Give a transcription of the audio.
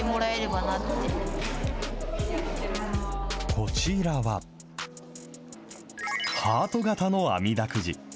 こちらは、ハート形のあみだくじ。